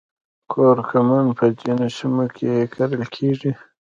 کورکمن په ځینو سیمو کې کرل کیږي